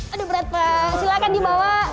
aduh berat pak silahkan dibawa